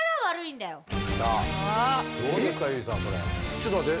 ちょっと待って。